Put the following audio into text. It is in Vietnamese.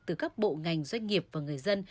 từ các bộ ngành doanh nghiệp và người dân